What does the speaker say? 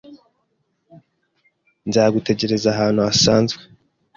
Nzagutegereza ahantu hasanzwe